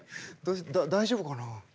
だ大丈夫かな。